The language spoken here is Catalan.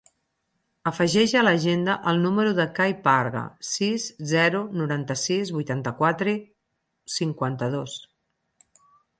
Afegeix a l'agenda el número del Cai Parga: sis, zero, noranta-sis, vuitanta-quatre, cinquanta-dos.